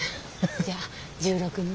じゃあ１６日。